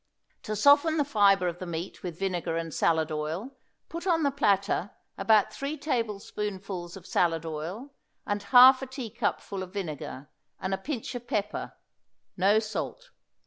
To soften the fibre of the meat with vinegar and salad oil put on the platter about three tablespoonfuls of salad oil, and half a teacupful of vinegar and a pinch of pepper; no salt.